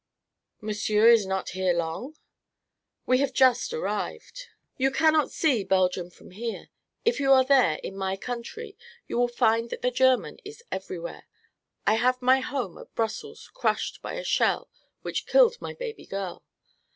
"Monsieur is not here long?" "We have just arrived." "You cannot see Belgium from here. If you are there in my country you will find that the German is everywhere. I have my home at Brussels crushed by a shell which killed my baby girl.